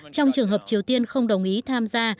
trong trường hợp triều tiên không đồng ý tham gia